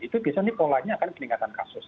itu biasanya polanya akan peningkatan kasus